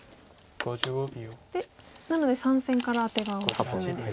なので３線からアテがおすすめですか。